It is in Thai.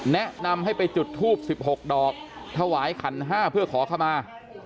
แนะนำให้ไปจุดทูบ๑๖ดอกถวายขัน๕เพื่อขอเข้ามา